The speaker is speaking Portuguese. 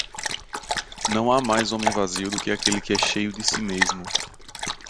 Não há mais homem vazio do que aquele que é cheio de si mesmo.